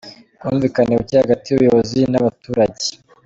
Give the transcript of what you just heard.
Ubwumvikane buke hagati y’ubuyobozi n’abaturage